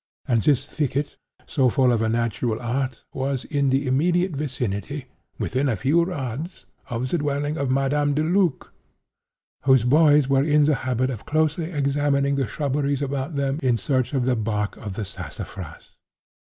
And this thicket, so full of a natural art, was in the immediate vicinity, within a few rods, of the dwelling of Madame Deluc, whose boys were in the habit of closely examining the shrubberies about them in search of the bark of the sassafras.